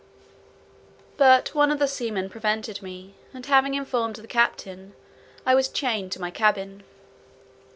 But one of the seamen prevented me, and having informed the captain, I was chained to my cabin.